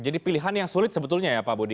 jadi pilihan yang sulit sebetulnya ya pak budi